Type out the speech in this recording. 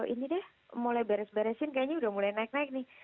ini deh mulai beres beresin kayaknya udah mulai naik naik nih